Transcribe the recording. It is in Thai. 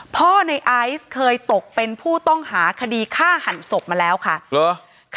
ในไอซ์เคยตกเป็นผู้ต้องหาคดีฆ่าหันศพมาแล้วค่ะ